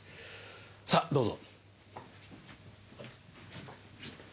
さあどうぞ。